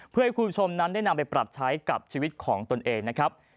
เพื่อให้คุณผู้ชมนั้นได้นำไปปรับใช้กับชีวิตของตนเองนะครับ